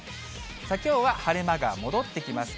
きょうは晴れ間が戻ってきます。